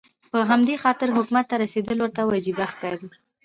په همدې خاطر حکومت ته رسېدل ورته وجیبه ښکاري.